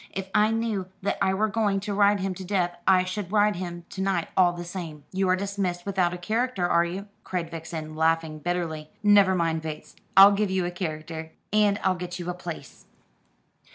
If I knew that I were going to ride him to death I should ride him to night all the same. You are dismissed without a character, are you?" cried Vixen, laughing bitterly. "Never mind, Bates, I'll give you a character; and I'll get you a place."